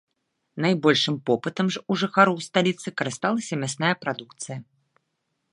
Найбольшым попытам у жыхароў сталіцы карысталася мясная прадукцыя.